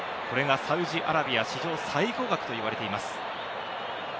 これがサウジアラビア史上最高額といわれています。